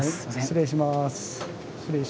失礼します。